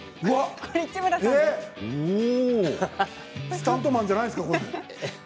これはスタントマンじゃないんですか。